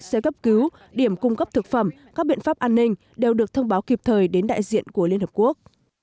xe cấp cứu điểm cung cấp thực phẩm các biện pháp an ninh đều được thông báo kịp thời đến đại diện của liên hợp quốc